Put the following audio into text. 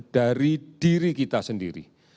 dari diri kita sendiri